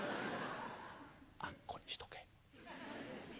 「あんこにしとけ」「蜜」。